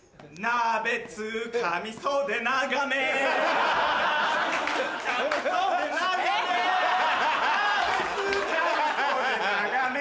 鍋つかみ袖長め